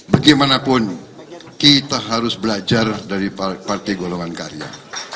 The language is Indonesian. bagaimanapun kita harus belajar dari partai golongan karya